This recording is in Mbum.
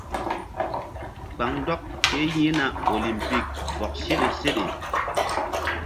Kpaŋndɔk ke yi̧hna olimpik bɔk seɗe.